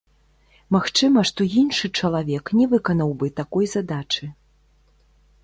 Магчыма, што іншы чалавек не выканаў бы такой задачы.